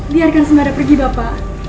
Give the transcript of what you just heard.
biarkan sembara pergi bapak